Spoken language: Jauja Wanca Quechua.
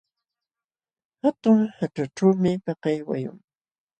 Hatun haćhachuumi pakay wayun.